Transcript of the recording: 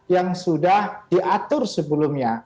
yang sudah diatur sebelumnya